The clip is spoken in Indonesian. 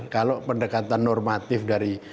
kalau pendekatan normatif dari